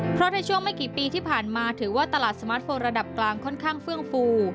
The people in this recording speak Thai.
เพราะในช่วงไม่กี่ปีที่ผ่านมาถือว่าตลาดสมาร์ทโฟนระดับกลางค่อนข้างเฟื่องฟู